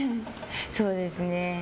そうですね。